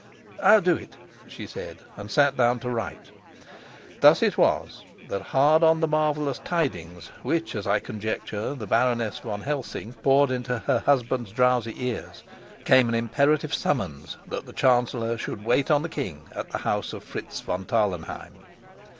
"I'll do it," she said, and sat down to write. Thus it was that, hard on the marvelous tidings which, as I conjecture, the Baroness von Helsing poured into her husband's drowsy ears, came an imperative summons that the chancellor should wait on the king at the house of Fritz von Tarlenheim.